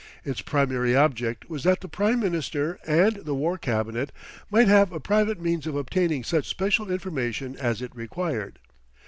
Its primary object was that the Prime Minister and the War Cabinet might have a private means of obtaining such special information as it required.